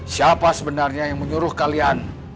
siapa sebenarnya yang menyuruh kalian